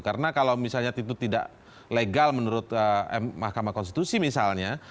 karena kalau misalnya itu tidak legal menurut mahkamah konstitusi misalnya